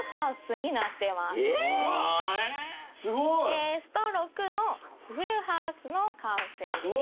エースと６のフルハウスの完成。